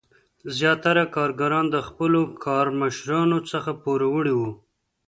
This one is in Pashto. زیاتره کارګران له خپلو کارمشرانو څخه پوروړي وو.